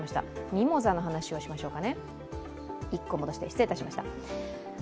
ミモザの話をしましょう。